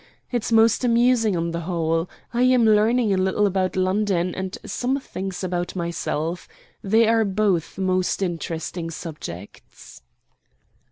It's most amusing on the whole. I am learning a little about London, and some things about myself. They are both most interesting subjects."